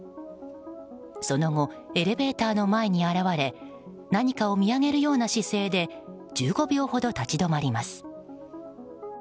その後、エレベーターの前に現れ何かを見上げるような姿勢で１５秒ほど立ち止まります。